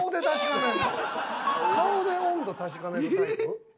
顔で温度確かめるタイプ？